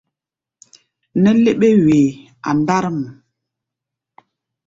Nɛ́ léɓé-wee a ndár mɔ.